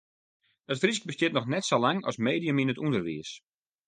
It Frysk bestiet noch net sa lang as medium yn it ûnderwiis.